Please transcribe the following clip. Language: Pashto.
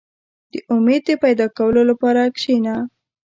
• د امید د پیدا کولو لپاره کښېنه.